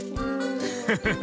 フフフ。